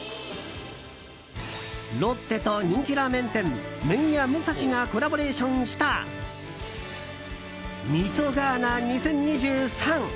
ロッテと人気ラーメン店麺屋武蔵がコラボレーションした味噌ガーナ２０２３。